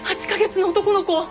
８カ月の男の子！